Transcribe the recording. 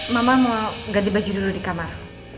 mama mau ganti baju dulu di kamar